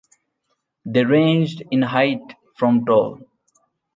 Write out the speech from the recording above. They ranged in height from tall.